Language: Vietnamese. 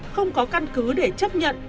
không có căn cứ để chấp nhận